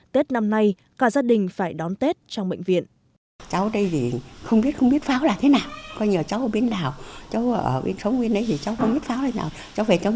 tết năm nay cả gia đình phải đón tết trong bệnh viện